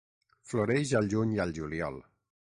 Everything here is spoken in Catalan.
Floreix al juny i al juliol.